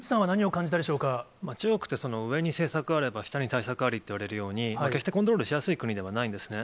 中国って、上に政策あれば下に対策ありと言われるように、決してコントロールしやすい国ではないんですね。